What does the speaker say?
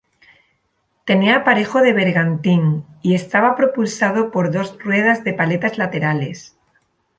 Tenía aparejo de bergantín y estaba propulsado por dos ruedas de paletas laterales.